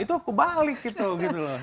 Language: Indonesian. itu kebalik gitu